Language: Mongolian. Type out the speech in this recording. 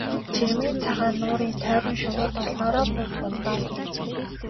Жирмийн цагаан нуурын тойрон шувууд олноороо бууж ундаална.